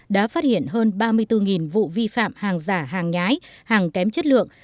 đã phát hiện hơn ba mươi bốn vụ vi phạm hàng giả hàng nhái hàng kém chất lượng